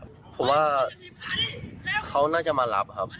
ผมว่าเขาน่าจะมารับครับ